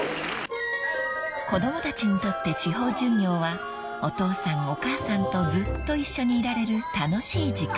［子供たちにとって地方巡業はお父さんお母さんとずっと一緒にいられる楽しい時間］